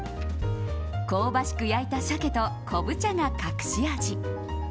香ばしく焼いた鮭と昆布茶が隠し味。